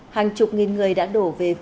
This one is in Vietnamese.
hàng chục nghìn người đã đổ về vệ sinh